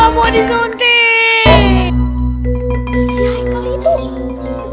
aku mau disuntik